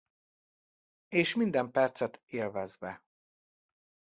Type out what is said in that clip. És minden percet élvezve.